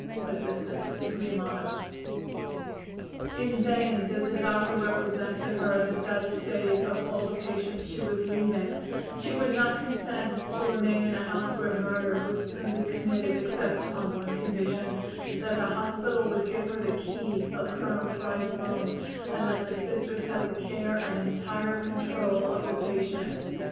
(A distance of three miles.) "In vain did the doctor represent to her the sad state of all the patients she was leaving; she would not consent to remain in a house where murder would soon be committed; except on one condition: that the doctor would give her the key of Colonel Fry's room, and that the Sisters have the care and entire control of the patient.